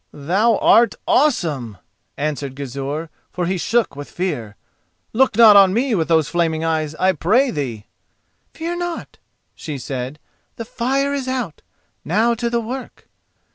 "Thou art awesome!" answered Gizur, for he shook with fear. "Look not on me with those flaming eyes, I pray thee!" "Fear not," she said, "the fire is out. Now to the work."